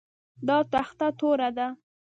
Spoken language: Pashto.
دا تخته توره ده